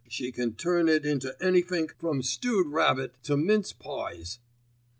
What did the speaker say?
She can turn it into anythink from stewed rabbit to mince pies."